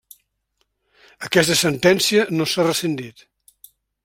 Aquesta sentència no s'ha rescindit.